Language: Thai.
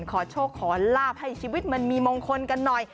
ขอโชคขอลาบให้ชีวิตมันมีมงคลกันหน่อย